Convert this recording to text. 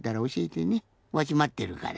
わしまってるから。